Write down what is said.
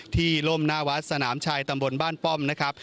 ล่มหน้าวัดสนามชัยตำบลบ้านป้อมนะครับ